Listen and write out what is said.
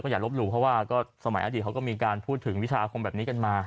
อย่าลบหลู่เพราะว่าก็สมัยอดีตเขาก็มีการพูดถึงวิชาอาคมแบบนี้กันมา